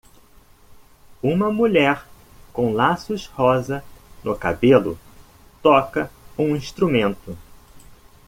Uma mulher com laços rosa no cabelo toca um instrumento.